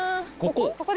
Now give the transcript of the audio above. ここ？